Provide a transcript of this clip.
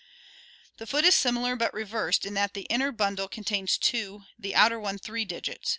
The foot is similar but reversed, in that the inner bundle contains two, the outer one three digits.